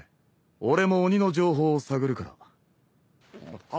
俺も鬼の情報を探るから。